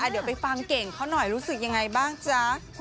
เดี๋ยวไปฟังเก่งเขาหน่อยรู้สึกยังไงบ้างจ๊ะ